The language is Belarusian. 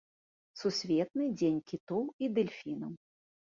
Сусветны дзень кітоў і дэльфінаў.